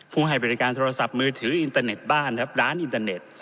ให้บริการโทรศัพท์มือถืออินเตอร์เน็ตบ้านครับร้านอินเตอร์เน็ต